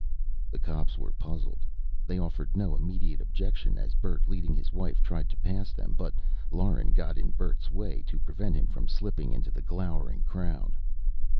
The cops were puzzled. They offered no immediate objection as Bert, leading his wife, tried to pass them. But Lauren got in Bert's way to prevent him from slipping into the glowering crowd.